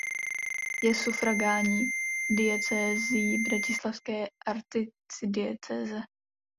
Je sufragánní diecézí bratislavské arcidiecéze.